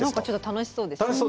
楽しそうですよね。